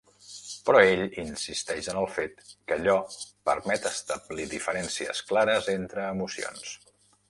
Però ell insisteix en el fet que allò permet establir diferències clares entre emocions.